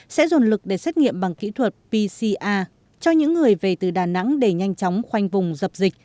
sẽ dồn lực để xét nghiệm bằng kỹ thuật pcr cho những người về từ đà nẵng để nhanh chóng khoanh vùng dập dịch